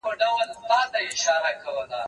کېدای سي شګه ناپاکه وي؟